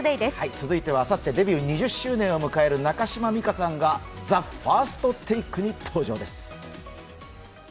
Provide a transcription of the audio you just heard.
続いてはあさってデビュー２０周年を迎える中島美嘉さんがＴＨＥＦＩＲＳＴＴＡＫＥに登場です。